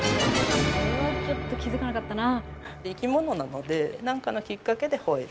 これはちょっと気付かなかったな。